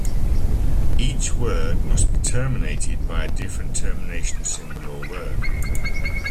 Each word must be terminated by a different termination symbol or word.